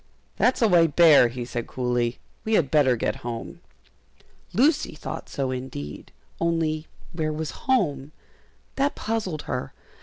"That's a white bear," he said, coolly; "we had better get home." Lucy thought so indeed; only where was home? that puzzled her.